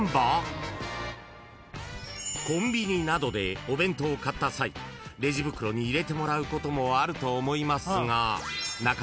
［コンビニなどでお弁当を買った際レジ袋に入れてもらうこともあると思いますが］